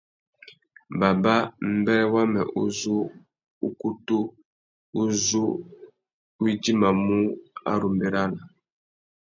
Baba, mbêrê wamê uzu ukutu u zu u idjimamú a ru mʼbérana.